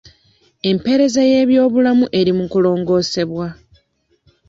Empeereza y'ebyobulamu eri mu kulongosebwa.